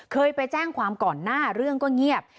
เคยไปแจ้งความก่อนหน้าเรื่องก็เงียบ